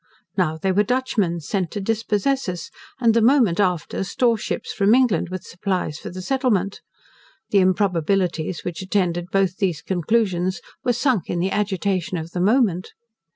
Now they were Dutchmen sent to dispossess us, and the moment after storeships from England, with supplies for the settlement. The improbabilities which attended both these conclusions, were sunk in the agitation of the moment.